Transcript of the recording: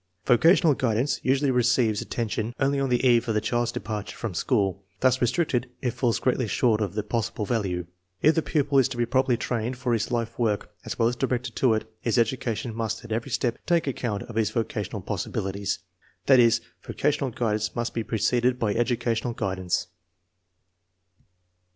Vocational guidance usually receives attention only on the eve of the child's departure from school. Thus restricted, it falls greatly short of its possible value. If the pupil is to be properly trained for his life work, as well as directed to it, his education must at every step take account of his vocational possibilities. That is, vocational guidance must be preceded by educa tional guidance.